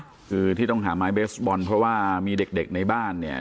คือที่ต้องหาไม้เบสบอลเพราะว่ามีเด็กเด็กในบ้านเนี่ย